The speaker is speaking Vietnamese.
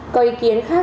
có ý kiến khác